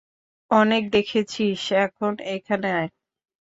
অনেক দেখেছিস এখন এখানে আয়।